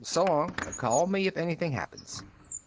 So long. Call me if anything happens."